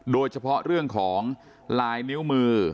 โดยเฉพาะเรื่องของลายนิ้วมือ